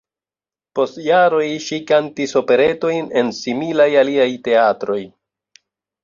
Post jaroj ŝi kantis operetojn en similaj aliaj teatroj.